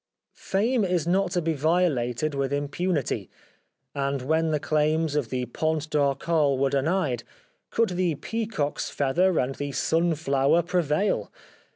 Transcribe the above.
Fame is not to be violated with im punity ; and when the claims of the Pont d' Arcole were denied, could the peacock's feather and the sunflower prevail